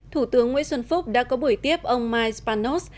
thủ tướng nguyễn xuân phúc đã có buổi tiếp ông mike spanos